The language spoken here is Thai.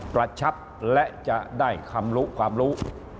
ประชับและจะได้คำรู้ความรู้